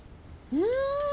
うん！